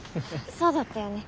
そうだったよね。